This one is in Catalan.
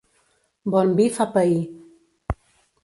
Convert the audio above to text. Bon vi fa pair.